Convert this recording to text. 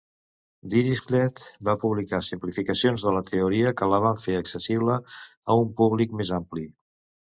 Dirichlet va publicar simplificacions de la teoria que la van fer accessible a un públic més ampli.